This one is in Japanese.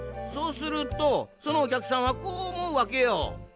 そうするとそのおきゃくさんはこうおもうわけよ。